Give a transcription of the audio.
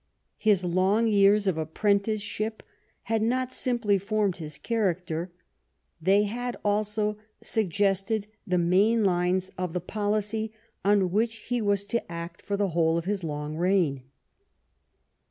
His long years of apprenticeship had not simply formed his character. They had also suggested the main lines of the policy on which he was to act for the whole of his long reign.